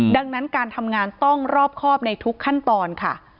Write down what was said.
ดังนั้นการทำงานต้องรอบครอบในทุกขั้นตอนค่ะ